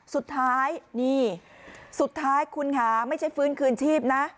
สุดท้ายนี่สุดท้ายคุณค่ะไม่ใช่ฟื้นคืนชีพนะ